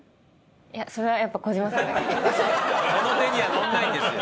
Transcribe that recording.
その手には乗らないですよ。